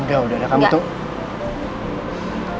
udah udah kamu tunggu